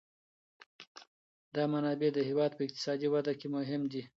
دا منابع د هېواد په اقتصادي وده کي مهم دي.